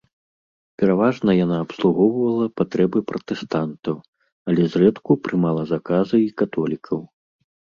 Пераважна яна абслугоўвала патрэбы пратэстантаў, але зрэдку прымала заказы і католікаў.